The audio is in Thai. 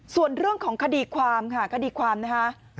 ส่วนเรื่องของคดีความค่ะคดีความนะคะ